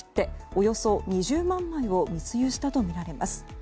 およそ２０万枚を密輸したとみられています。